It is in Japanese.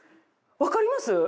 分かります？